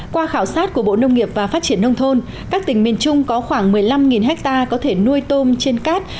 qua khảo sát của bộ nông nghiệp và phát triển nông thôn các tỉnh miền trung có khoảng một mươi năm ha có thể nuôi tôm trên cát